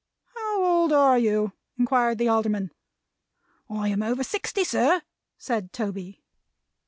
"How old are you?" inquired the Alderman. "I am over sixty, sir," said Toby.